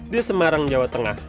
di semarang jawa tengah